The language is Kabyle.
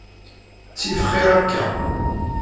Ttif xir akka.